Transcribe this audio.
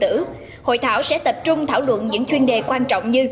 theo thông tin từ bang tổ chức hội thảo sẽ tập trung thảo luận những chuyên đề quan trọng như